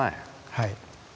はい。